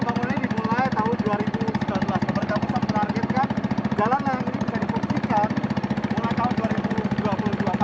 jalan layang ini ini sebenarnya pembangunannya dimulai tahun dua ribu sembilan belas